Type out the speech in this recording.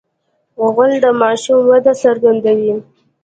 غول د ماشوم وده څرګندوي.